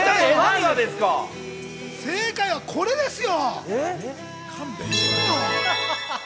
正解はこれですよ。